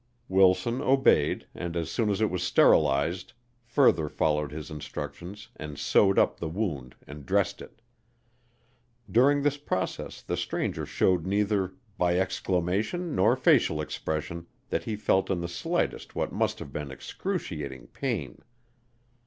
Wilson obeyed and, as soon as it was sterilized, further followed his instructions and sewed up the wound and dressed it. During this process the stranger showed neither by exclamation nor facial expression that he felt in the slightest what must have been excruciating pain.